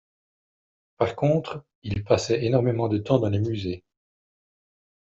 Par contre, il passait énormément de temps dans les musées.